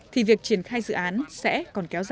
thì việc triển khai dự án sẽ còn kéo dài